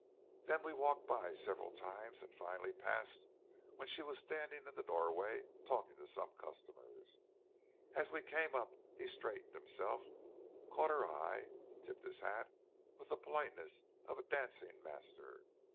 Then we walked by several times, and finally passed when she was standing in the doorway talking to some customers. As we came up he straightened himself, caught her eye, and tipped his hat with the politeness of a dancing master.